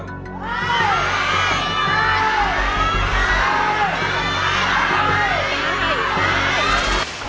เย้